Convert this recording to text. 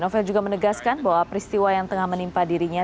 novel juga menegaskan bahwa peristiwa yang tengah menimpa dirinya